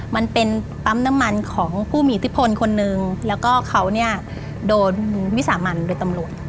มันเป็นปั๊มน้ำมันของผู้มีอิทธิพลคนนึงแล้วก็เขาเนี่ยโดนวิสามันโดยตำรวจ